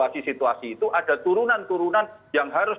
ada turunan turunan yang harus